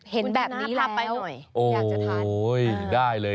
เห็นแบบนี้แล้วอยากจะทานคุณชนะพาไปหน่อยโอ้โฮได้เลย